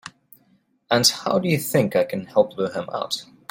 And how do you think I can help lure him out?